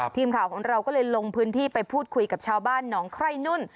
ทีมข่าวของเราก็เลยลงพื้นที่ไปพูดคุยกับชาวบ้านหนองไคร่นุ่น